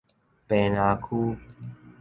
坪林區